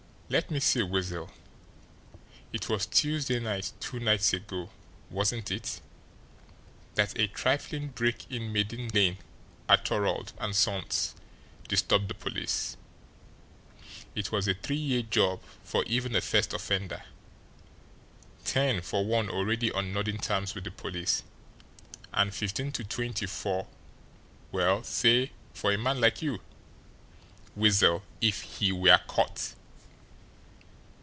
Let me see, Weasel it was Tuesday night, two nights ago; wasn't it, that a trifling break in Maiden Lane at Thorold and Sons disturbed the police? It was a three year job for even a first offender, ten for one already on nodding terms with the police and fifteen to twenty for well, say, for a man like you, Weasel IF HE WERE CAUGHT!